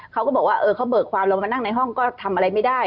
เขาก็บอกว่าเขาเบิกความเรามานั่งในห้องก็ทำอะไรไม่ได้